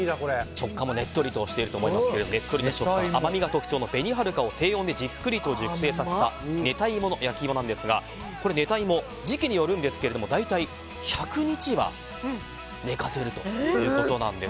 食感もねっとりとしていると思いますがねっとりとした食感甘みが特徴の紅はるかを低温でじっくりと熟成させた寝た芋の焼き芋なんですが寝た芋、時期によるんですが大体１００日は寝かせるということなんです。